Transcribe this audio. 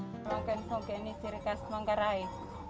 tenun kain songke ini ciri khas menggarai